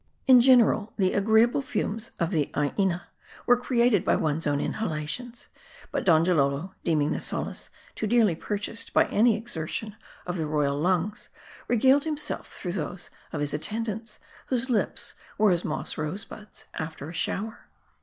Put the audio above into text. In general, the agreeable fumes of the " Aina" were created by one's M A R D I. 265 own inhalations ; but Donjalolo deeming the solace too dearly purchased by any exertion of the royal lungs, regaled himself through those of his attendants, whose lips were as moss roser buds after a shower.